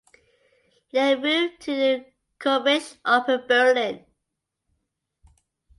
He then moved to the Komische Oper Berlin.